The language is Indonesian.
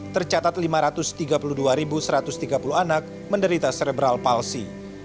tercatat lima ratus tiga puluh dua satu ratus tiga puluh anak menderita serebral palsi